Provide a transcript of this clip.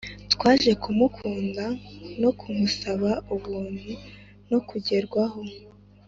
twaje kumukunda no kumusaba ubuntu no kugerwaho.